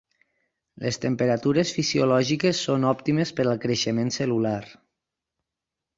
Les temperatures fisiològiques són òptimes per al creixement cel·lular.